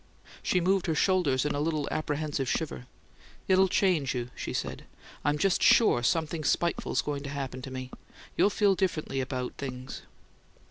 She moved her shoulders in a little apprehensive shiver. "It'll change you," she said. "I'm just sure something spiteful's going to happen to me. You'll feel differently about things."